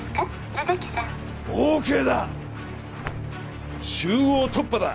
野崎さん」ＯＫだ中央突破だ！